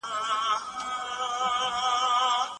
ماشوم په چمن کې د رنګارنګ پتنګانو په لټه کې و.